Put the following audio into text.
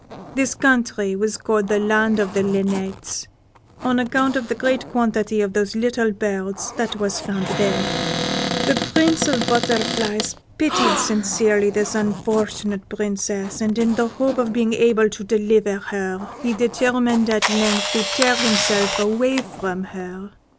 This country was called the Land of the Linnets, on account of the great quantity of those little birds that was found there. The Prince of the Butterflies pitied sincerely this unfortunate Princess, and, in the hope of being able to deliver her, he determined at length to tear himself away from her.